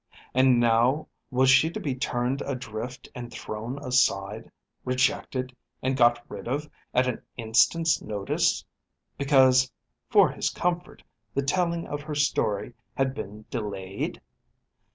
And now, was she to be turned adrift and thrown aside, rejected and got rid of at an instant's notice, because, for his comfort, the telling of her story had been delayed?